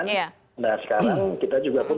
nah sekarang kita juga pun